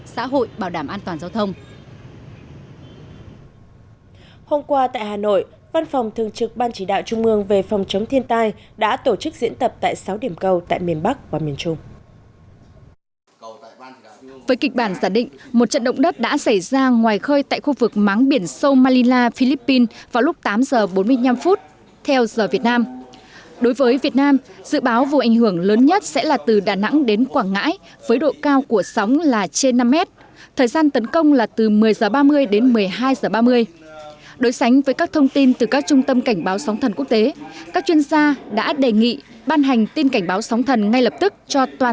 đây là đề án được ban chỉ đạo trung ương về phòng chống thiên tai triển khai theo đề án xây dựng hệ thống báo độc trực canh cảnh báo sóng thần bốn trăm ba mươi của chính phủ